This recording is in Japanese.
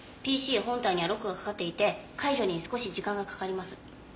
ＰＣ本体にはロックがかかっていて解除に少し時間がかかります。